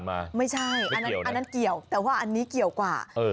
ไม่ใช่อันนั้นเกี่ยวแต่ว่าอันนี้เกี่ยวกว่า